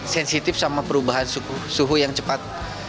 sensitif sama perubahan suhu yang cepat